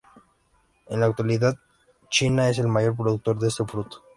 En la actualidad, China es el mayor productor de este fruto.